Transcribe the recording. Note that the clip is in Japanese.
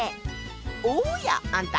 おやあんた